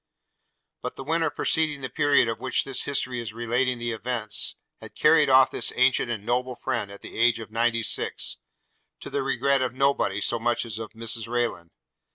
But the winter preceding the period of which this history is relating the events, had carried off this ancient and noble friend at the age of ninety six, to the regret of nobody so much as of Mrs Rayland.